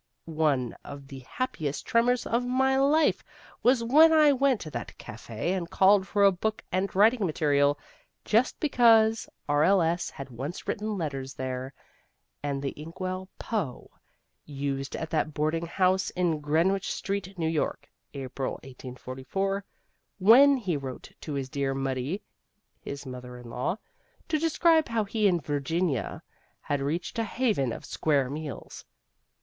One of the happiest tremors of my life was when I went to that café and called for a bock and writing material, just because R.L.S. had once written letters there. And the ink well Poe used at that boarding house in Greenwich Street, New York (April, 1844), when he wrote to his dear Muddy (his mother in law) to describe how he and Virginia had reached a haven of square meals.